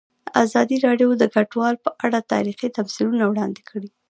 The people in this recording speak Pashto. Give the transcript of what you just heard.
ازادي راډیو د کډوال په اړه تاریخي تمثیلونه وړاندې کړي.